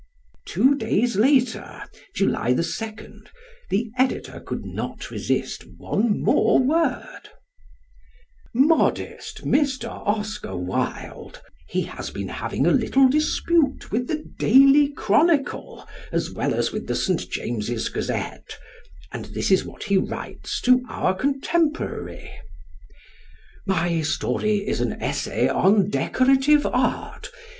Two days later (July 2nd) the Editor could not resist one more word: Modest Mr. Oscar Wilde. He has been having a little dispute with the Daily Chronicle as well as with the St. James's Gazette and this is what he writes to our contemporary: My story is an essay on decorative art.